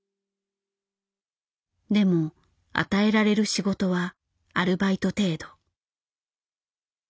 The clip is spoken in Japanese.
でも与えられる仕事はアルバイト程度。